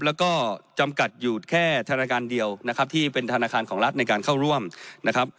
แล้วก็จำกัดอยู่แค่ธนาคารเดียวนะครับที่เป็นธนาคารของรัฐในการเข้าร่วมนะครับ